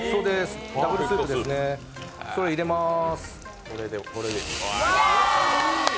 ダブルスープですね、それ、入れます。